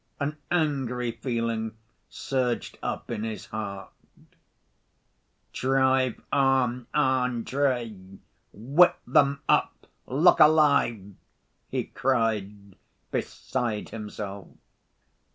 An angry feeling surged up in his heart. "Drive on, Andrey! Whip them up! Look alive!" he cried, beside himself.